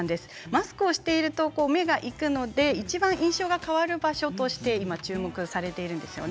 マスクをしていると目がいくのでいちばん印象が変わる場所だということで注目されています。